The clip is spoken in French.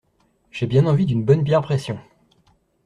J'ai bien envie d'une bonne bière pression.